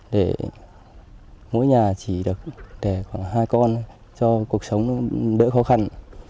để mỗi nhà chỉ được để khoảng hai con cho cuộc sống đỡ khó khăn